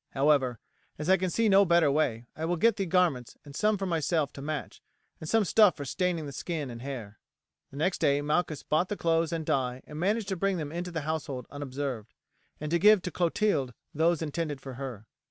However, as I can see no better way, I will get the garments and some for myself to match, and some stuff for staining the skin and hair." The next day Malchus bought the clothes and dye and managed to bring them into the house unobserved, and to give to Clotilde those intended for her.